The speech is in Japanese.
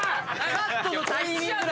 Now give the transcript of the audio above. カットのタイミングで。